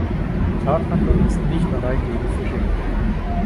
Die Tathandlung ist nicht allein gegen Fische gerichtet.